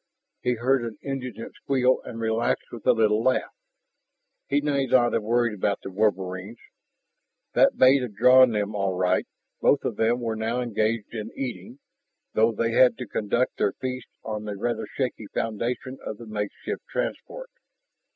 He heard an indignant squeal and relaxed with a little laugh. He need not have worried about the wolverines; that bait had drawn them all right. Both of them were now engaged in eating, though they had to conduct their feast on the rather shaky foundation of the makeshift transport.